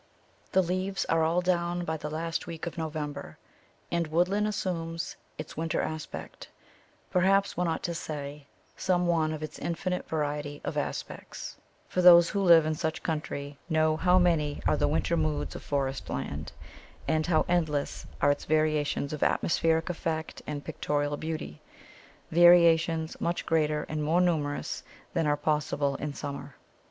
] The leaves are all down by the last week of November, and woodland assumes its winter aspect; perhaps one ought rather to say, some one of its infinite variety of aspects, for those who live in such country know how many are the winter moods of forest land, and how endless are its variations of atmospheric effect and pictorial beauty variations much greater and more numerous than are possible in summer.